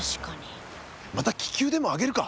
また気球でもあげるか？